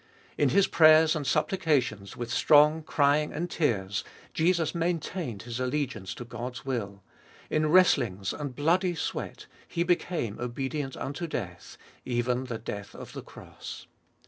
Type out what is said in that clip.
In His prayers and supplications, with strong crying and tears, Jesus maintained His allegiance to God's will : in wrestlings and bloody sweat He became obedient unto death, even the death of the cross.